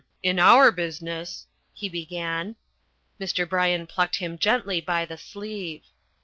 "In our business " he began. Mr. Bryan plucked him gently by the sleeve.